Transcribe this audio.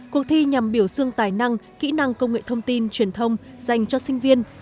cuộc thi nhằm biểu dương tài năng kỹ năng công nghệ thông tin truyền thông dành cho sinh viên